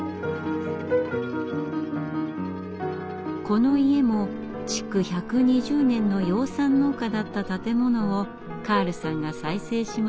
この家も築１２０年の養蚕農家だった建物をカールさんが再生しました。